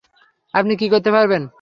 আপনি কী করতে পারবেন?